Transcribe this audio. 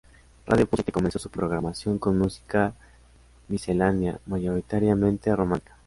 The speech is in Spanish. Radio Punto Siete comenzó su programación, con música miscelánea, mayoritariamente romántica.